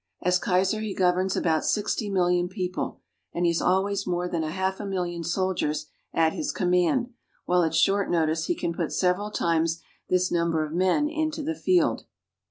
As Kaiser he governs about sixty million people, and he has always more than a half million soldiers at his command, while at short notice he can put several times this number of men into the field.